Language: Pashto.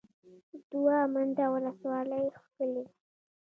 دوه منده ولسوالۍ ښکلې ده؟